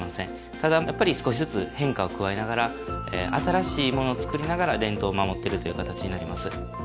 ただやっぱり少しずつ変化を加えながら新しいものを作りながら伝統を守っているという形になります